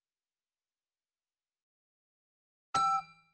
ピッ。